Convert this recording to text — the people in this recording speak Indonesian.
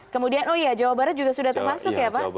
kemudian oh iya jawa barat juga sudah termasuk ya pak